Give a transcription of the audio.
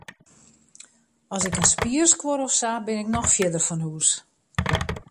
As ik in spier skuor of sa, bin ik noch fierder fan hûs.